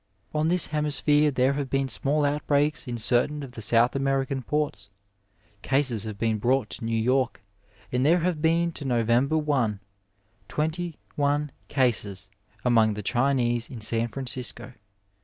On this hemisphere there have been small outbreaks in certain of the South American ports, cases have been brought to New York, and there have been to November 1 twenty one cases among the Chinese in San Francisco.